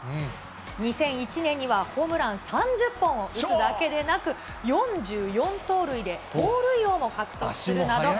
２００１年にはホームラン３０本を打つだけでなく、４４盗塁で盗塁王も獲得するなど。